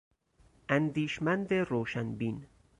اندیشمند روشن بین